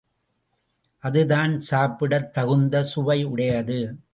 அது தான் சாப்பிடத் தகுந்த சுவை உடையது.